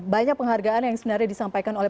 banyak penghargaan yang sebenarnya disampaikan oleh